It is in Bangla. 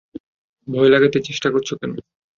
ভয় লাগাতে চেষ্টা করছ কেন?